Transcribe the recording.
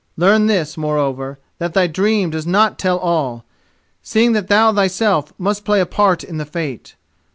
Learn this, moreover: that thy dream does not tell all, seeing that thou thyself must play a part in the fate.